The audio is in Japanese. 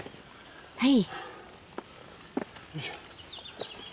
はい。